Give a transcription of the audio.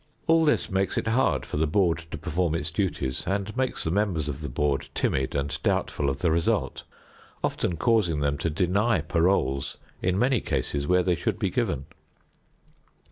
All this makes it hard for the board to perform its duties, and makes the members of the board timid and doubtful of the result, often causing them to deny paroles in many cases where they should be given.